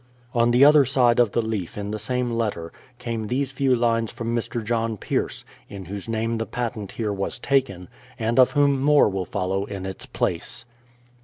On the other side of the leaf in the same letter, came these few Hnes from Mr. John Pierce, in whose name the patent here was taken, and of whom more will follow in its place.